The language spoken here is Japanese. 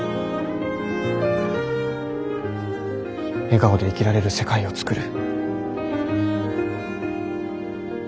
笑顔で生きられる世界を創る。